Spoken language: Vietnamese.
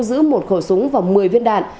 đối tượng giữ một khẩu súng và một mươi viên đạn